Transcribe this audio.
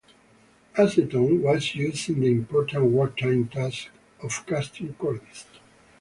Acetone was used in the important wartime task of casting cordite.